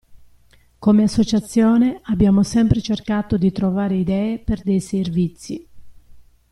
Come associazione abbiamo sempre cercato di trovare idee per dei servizi.